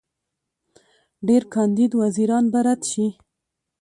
ډېر کاندید وزیران به رد شي.